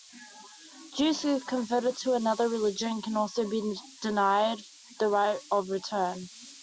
Jews who converted to another religion can also be denied the right of return.